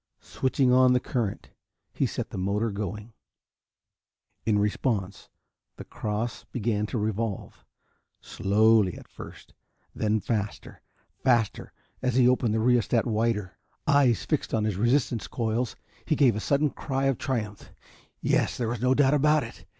Switching on the current, he set the motor going. In response, the cross began to revolve, slowly at first then faster, faster, as he opened the rheostat wider. Eyes fixed on his resistance coils, he gave a sudden cry of triumph. Yes, there was no doubt about it!